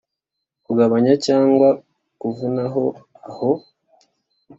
kugabanya cyangwa kuvanaho aho